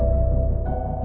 ini buat lo